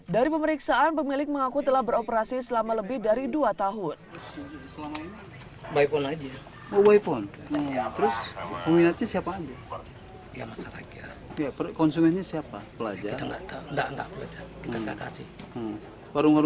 dari pemeriksaan pemilik mengaku telah beroperasi selama lebih dari dua tahun